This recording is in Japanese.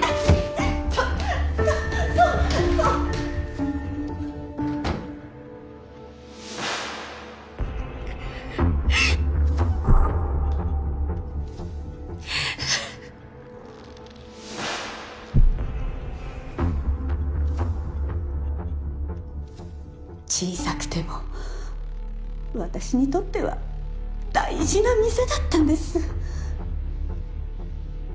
ちょっと小さくても私にとっては大事な店だったんです。